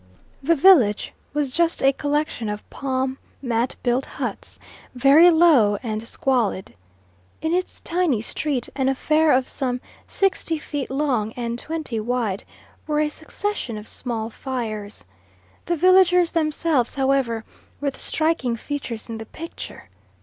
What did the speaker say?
The village was just a collection of palm mat built huts, very low and squalid. In its tiny street, an affair of some sixty feet long and twenty wide, were a succession of small fires. The villagers themselves, however, were the striking features in the picture.